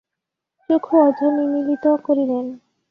চক্ষু অর্ধনিমীলিত করিলেন।